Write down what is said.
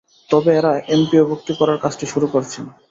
তবে তাঁরা এমপিওভুক্ত করার কাজটি শুরু করেছেন।